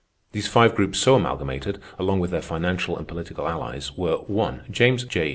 These five groups so amalgamated, along with their financial and political allies, were (1) James J.